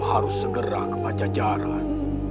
aku harus segera ke baca jalan